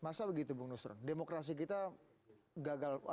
masa begitu bung nusron demokrasi kita gagal atau tidak